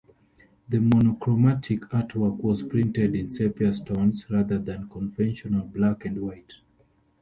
The monochromatic artwork was printed in sepia tones, rather than conventional black-and-white.